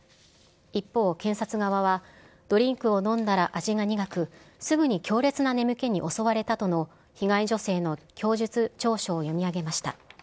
一方、検察側は、ドリンクを飲んだら味が苦く、すぐに強烈な眠気に襲われたとの被害女性の供述調書を読み上げました。